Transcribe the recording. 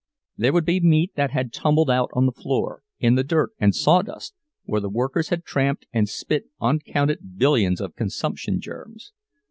There would be meat that had tumbled out on the floor, in the dirt and sawdust, where the workers had tramped and spit uncounted billions of consumption germs.